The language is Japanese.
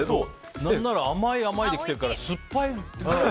何なら甘い、甘いで来てるから酸っぱい。